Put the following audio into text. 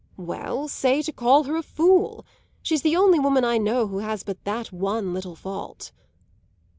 "Well, say to call her a fool! She's the only woman I know who has but that one little fault."